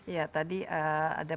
ya tadi ada